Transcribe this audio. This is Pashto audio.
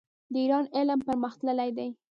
د ایران علم پرمختللی دی.